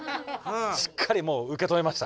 しっかりもううけ止めました。